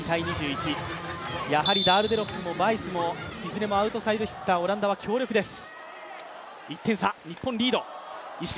やはりダールデロップもバイスもいずれもアウトサイドヒッター、オランダは強力です。